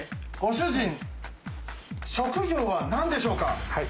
ご主人、職業は何でしょうか？